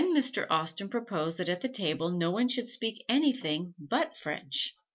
Then Mr. Austen proposed that at table no one should speak anything but French.